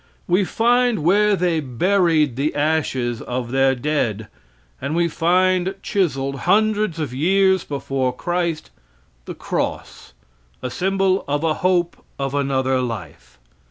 We find where they buried the ashes of their dead, and we find chiseled, hundreds of years before Christ, the cross, a symbol of a hope of another life.